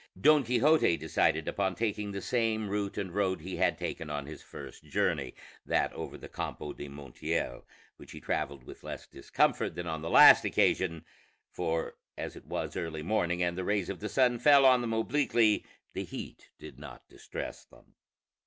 Don Quixote decided upon taking the same route and road he had taken on his first journey, that over the Campo de Montiel, which he traveled with less discomfort than on the last occasion; for as it was early morning and the rays of the sun fell on them obliquely, the heat did not distress them.